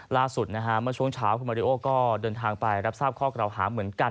ล่าสุดนะฮะเมื่อช่วงเช้าคุณมาริโอก็เดินทางไปรับทราบข้อกล่าวหาเหมือนกัน